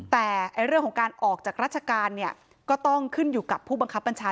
แต่เรื่องของการออกจากราชการเนี่ยก็ต้องขึ้นอยู่กับผู้บังคับบัญชา